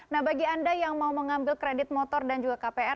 nah bagi anda yang mau mengambil kredit motor dan juga kpr